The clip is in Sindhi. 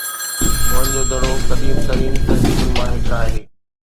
موئن جو دڙو قديم ترين تهذيبن مان هڪ آهي